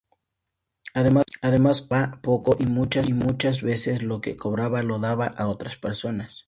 Además cobraba poco y, muchas veces, lo que cobraba lo daba a otras personas.